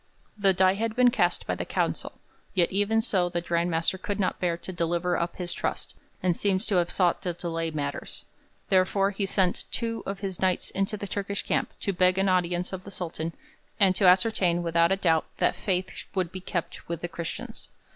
The die had been cast by the council, yet even so the Grand Master could not bear to deliver up his trust, and seems to have sought to delay matters. Therefore he sent two of his Knights into the Turkish camp to beg an audience of the Sultan and to ascertain without a doubt that faith would be kept with the Christians.